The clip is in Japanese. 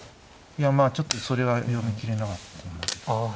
いやまあちょっとそれは読み切れなかった。